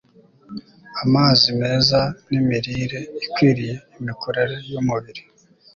amazi meza nimirire ikwiriye imikorere yumubiri